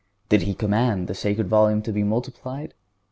Did He command the sacred volume to be multiplied?